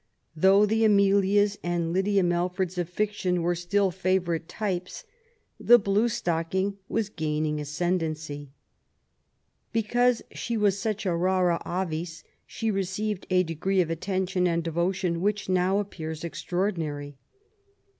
Though the Amelias and Lydia Melfords of fiction were still favourite types, the blue stocking was gaining ascendency. Because she was such a rara avis she received a degree of attention and devotion which now appears extraor dinary. Mrs.